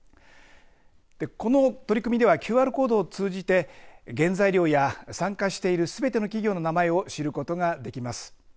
この取り組みではＱＲコードを通じて原材料や参加しているすべての企業の名前を知ることができます。